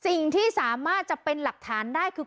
สิ่งที่สามารถจะเป็นหลักฐานได้คือ